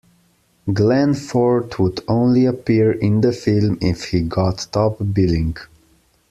Glenn Ford would only appear in the film if he got top billing.